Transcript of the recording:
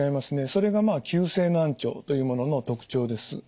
それがまあ急性難聴というものの特徴です。